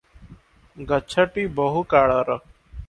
ଗଛଟି ବହୁକାଳର ।